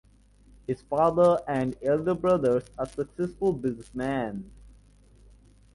His father and elder brothers are successful businessmen.